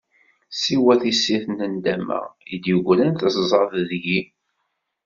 Siwa tissirt n nndama i d-yegran tezzaḍ deg-i.